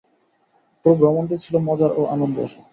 পুরো ভ্রমণটিই ছিল মজার ও আনন্দের।